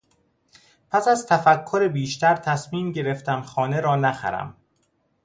پس از تفکر بیشتر تصمیم گرفتم خانه را نخرم.